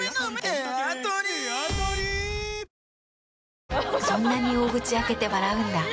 もしかしたらそんなに大口開けて笑うんだ。